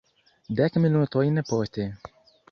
Dek minutojn poste.